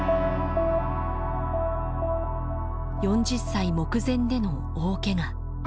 ４０歳目前での大けが。